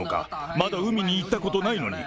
まだ海に行ったことないのに。